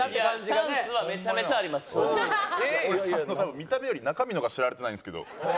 見た目より中身の方が知られてないんですけど。